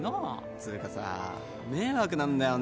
つうかさ迷惑なんだよね実際